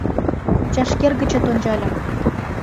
Чашкер гычет ончальым -